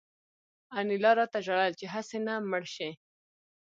انیلا راته ژړل چې هسې نه مړ شې